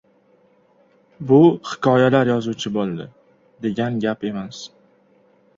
Bu hikoyalar yozuvchi bo‘ldi, degan gap emas.